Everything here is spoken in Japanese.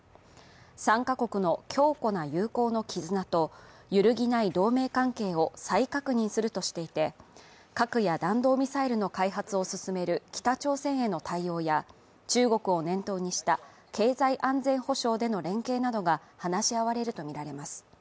３か国の強固な友好の絆と揺るぎない同盟関係を再確認するとしていて核や弾道ミサイルの開発を進める北朝鮮への対応や中国を念頭にした経済安全保障での連携などが話し合われるとみられます。